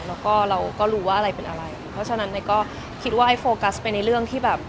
แล้วก็เราก็รู้ว่าอะไรเป็นอะไรเพราะฉะนั้นไอ้ก็คิดว่าไอ้โฟกัสไปในเรื่องที่แบบ